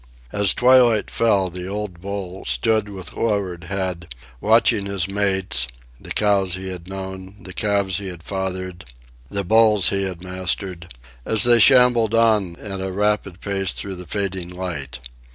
As twilight fell the old bull stood with lowered head, watching his mates—the cows he had known, the calves he had fathered, the bulls he had mastered—as they shambled on at a rapid pace through the fading light.